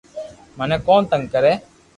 مني ڪون تنگ ڪري